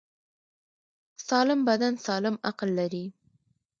سالم بدن سالم عقل لري.